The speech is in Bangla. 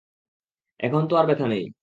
এখন আর ব্যথা নেই।